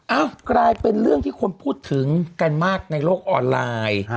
กลายเป็นเรื่องที่คนพูดถึงกันมากในโลกออนไลน์